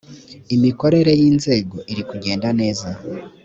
imikorere y ‘inzego irikugenda neza.